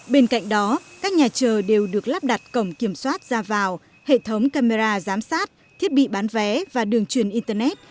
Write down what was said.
bên cạnh đó các nhà chờ đều được lắp đặt cổng kiểm soát ra vào hệ thống camera giám sát thiết bị bán vé và đường truyền internet